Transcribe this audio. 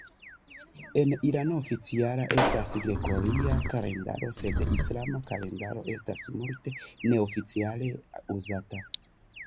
En Irano oficiala estas gregoria kalendaro sed islama kalendaro estas multe neoficiale uzata.